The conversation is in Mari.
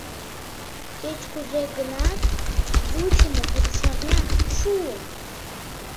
Кеч-кузе гынат, вучымо рушарня шуо.